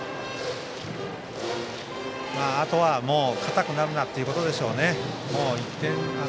あとは、もう硬くなるなということですね。